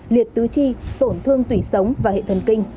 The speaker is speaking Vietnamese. liệt tứ chi tổn thương tủy sống và hệ thần kinh